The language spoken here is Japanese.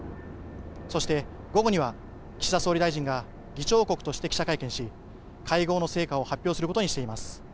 そして午後には、岸田総理大臣が議長国として記者会見し、会合の成果を発表することにしています。